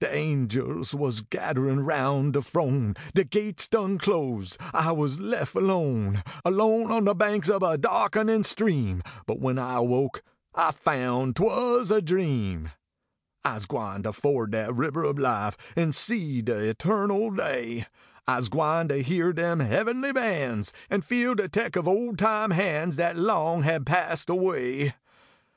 De angels was gedderin roun de frone, De gates done closed, I was lef alone, Alone on de banks ob a darkenin stream, But when I awoke I foun twas a dream. Ise gwine to ford dat ribber ob life An see de eternal day. Ise gwine to hear dem heavenly bands, An feel de tech of ole time hands Dat long hab passed away.